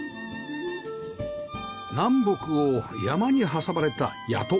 南北を山に挟まれた谷戸